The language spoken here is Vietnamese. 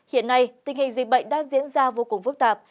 hiện nay tình hình dịch bệnh đang diễn ra vô cùng phức tạp